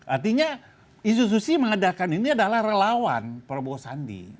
artinya institusi mengadakan ini adalah relawan prabowo sandi